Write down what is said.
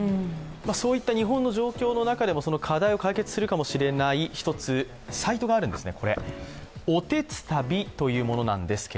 そういった日本の状況の中でも課題を解決するかもしれない一つ、サイトがあるんですね。